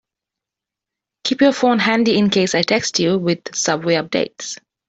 Keep your phone handy in case I text you with subway updates.